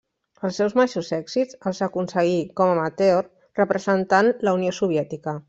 Els seus majors èxits els aconseguí com amateur representant la Unió Soviètica.